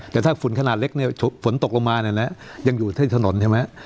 แต่ถ้าฝุ่นขนาดเล็กฝนตกลงมายังอยู่ที่ถนนใช่ไหม